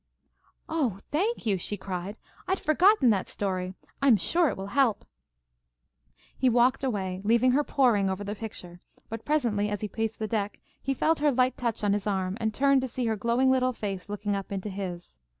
"Oh, thank you!" she cried. "I'd forgotten that story. I am sure it will help." He walked away, leaving her poring over the picture, but presently, as he paced the deck, he felt her light touch on his arm, and turned to see her glowing little face looking up into his.